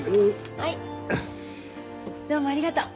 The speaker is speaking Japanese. どうもありがとう。